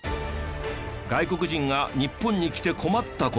外国人が日本に来て困った事。